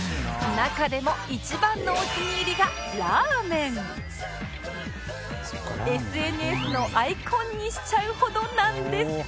中でも一番のお気に入りがＳＮＳ のアイコンにしちゃうほどなんです